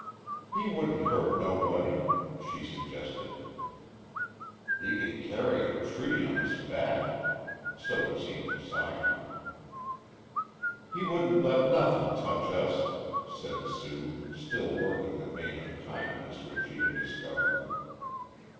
"He wouldn't hurt nobody," she suggested. "He can carry a tree on his back" so it seemed to Socky. "He wouldn't let nothin' touch us," said Sue, still working the vein of kindness which she had discovered.